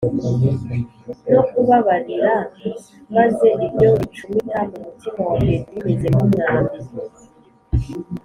no kubabarira maze ibyo bicumita mu mutima wa petero bimeze nk’umwambi